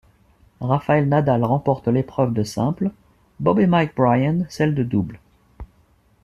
Rafael Nadal remporte l'épreuve de simple, Bob et Mike Bryan celle de double.